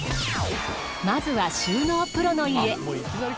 まずは収納プロの家。